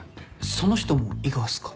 その人も伊賀っすか？